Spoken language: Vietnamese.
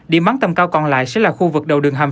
điểm bắn tầm cao còn lại sẽ là khu vực đầu đường hầm